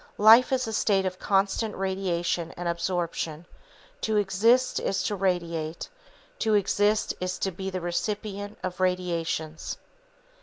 Life is a state of constant radiation and absorption; to exist is to radiate; to exist is to be the recipient of radiations.